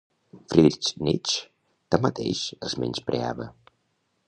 Friedrich Nietzsche, tanmateix, els menyspreava.